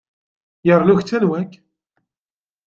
Yernu kečč anwa-k?